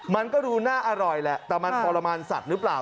มันก็ดูน่าอร่อยแหละแต่มันทรมานสัตว์หรือเปล่า